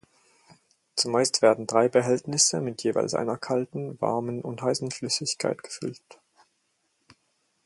Zumeist werden drei Behältnisse mit jeweils einer kalten, warmen und heißen Flüssigkeit gefüllt.